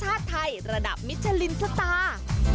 ชาติไทยระดับมิชชาลินส์สตาร์